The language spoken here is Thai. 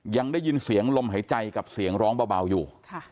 ยังได้ยินเสียงลมหายใจกับเสียงร้องเบาอยู่